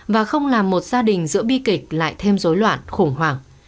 và không làm một gia đình giữa bi kịch lại thêm dối loạn khủng hoảng